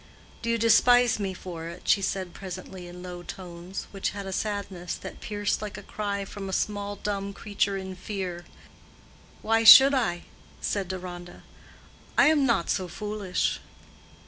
"Do you despise me for it?" she said presently in low tones, which had a sadness that pierced like a cry from a small dumb creature in fear. "Why should I?" said Deronda. "I am not so foolish."